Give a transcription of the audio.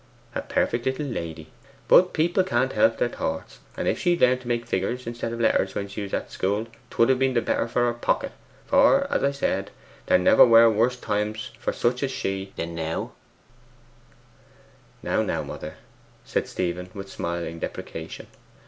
A perfect little lady. But people can't help their thoughts, and if she'd learnt to make figures instead of letters when she was at school 'twould have been better for her pocket; for as I said, there never were worse times for such as she than now.' 'Now, now, mother!' said Stephen with smiling deprecation.